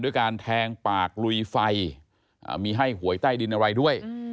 การแทงปากลุยไฟมีให้หวยใต้ดินอะไรด้วย